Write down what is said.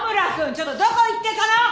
ちょっとどこ行ってたの！？